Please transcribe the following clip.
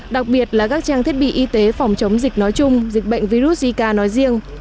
đặc biệt là các trang thiết bị y tế phòng chống dịch nói chung dịch bệnh virus zika nói riêng